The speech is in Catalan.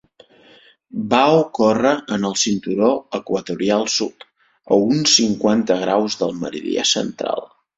Va ocórrer en el Cinturó Equatorial Sud, a uns cinquanta graus del meridià central.